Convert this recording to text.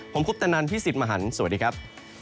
ผมคุปตะนันพี่สิทธิ์มหันฯสวัสดีครับ